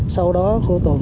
sau đó khu hồ tồn sẽ